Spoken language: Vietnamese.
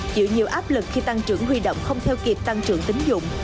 chịu nhiều áp lực khi tăng trưởng huy động không theo kịp tăng trưởng tính dụng